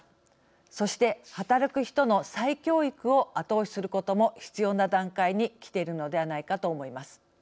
そして働く人の再教育を後押しすることも必要な段階にきているのではないかと思います。